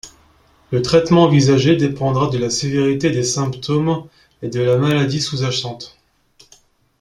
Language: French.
Le traitement envisagé dépendra de la sévérité des symptômes et de la maladie sous-jacente.